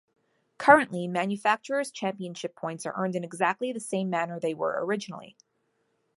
Currently, Manufacturers' Championship points are earned in exactly the same manner they were originally.